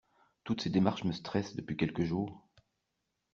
Toutes ces démarches me stressent depuis quelques jours.